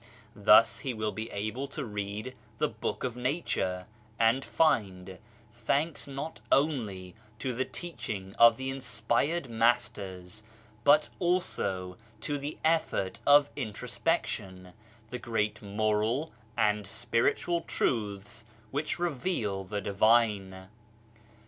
Thus he will be able to read the " Book of Nature " and find thanks not only to the teaching of the inspired Masters, but also to the effort of introspection — the great moral and spiritual truths which reveal the divine.